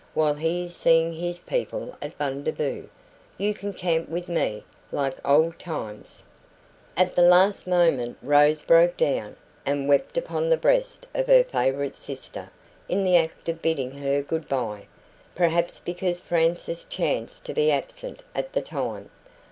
While he is seeing his people at Bundaboo, you can camp with me, like old times." At the last moment Rose broke down, and wept upon the breast of her favourite sister in the act of bidding her goodbye perhaps because Frances chanced to be absent at the time.